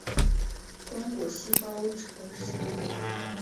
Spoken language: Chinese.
光果细苞虫实为藜科虫实属下的一个变种。